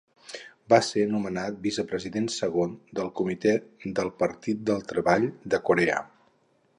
Va ser nomenat vicepresident segon del Comitè del Partit del Treball de Corea.